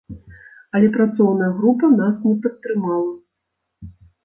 Але працоўная група нас не падтрымала.